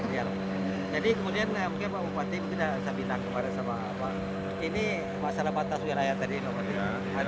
iya pak jadi kemudian mungkin pak bupati mungkin sudah saya bintang kemarin sama pak ini masalah batas wilayah tadi pak bupati